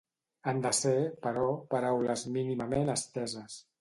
Han de ser, però, paraules mínimament esteses.